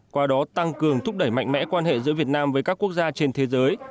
qua đó tăng cường thúc đẩy mạnh mẽ quan hệ giữa việt nam với các quốc gia trên thế giới